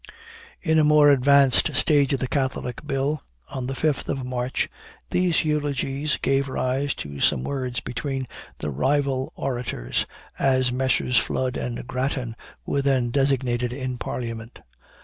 "In a more advanced stage of the Catholic Bill, on the 5th of March, these eulogies gave rise to some words between 'the rival orators,' as Messrs. Flood and Grattan were then designated in parliament.